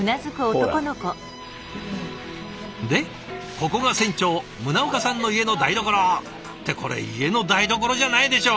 でここが船長宗岡さんの家の台所。ってこれ家の台所じゃないでしょ。